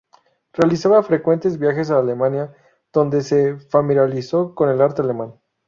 Realizaba frecuentes viajes a Alemania donde se familiarizó con el arte alemán.